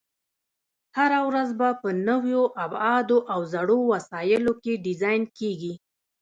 هره ورځ به په نویو ابعادو او زړو وسایلو کې ډیزاین کېږي.